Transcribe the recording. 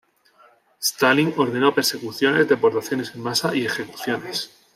Stalin ordenó persecuciones, deportaciones en masa, y ejecuciones.